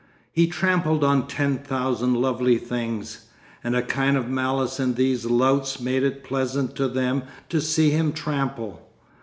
He trampled on ten thousand lovely things, and a kind of malice in these louts made it pleasant to them to see him trample.